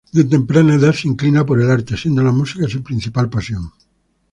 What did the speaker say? De temprana edad se inclina por el arte, siendo la música su principal pasión.